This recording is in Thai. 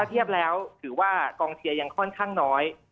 เทียบแล้วถือว่ากองเชียร์ยังค่อนข้างน้อย